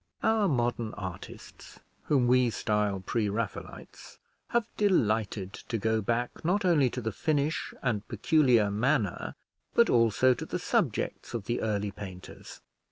Our modern artists, whom we style Pre Raphaelites, have delighted to go back, not only to the finish and peculiar manner, but also to the subjects of the early painters.